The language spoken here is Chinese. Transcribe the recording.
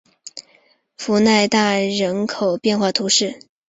弗代纳人口变化图示